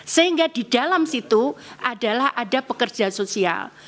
sehingga di dalam situ adalah ada pekerja sosial